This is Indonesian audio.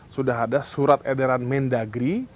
sudah ada surat edaran mendagri